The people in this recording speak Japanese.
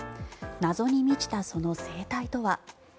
謎に満ちた、その生態とは。